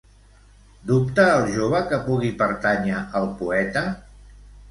Dubta el jove que pugui pertànyer al poeta?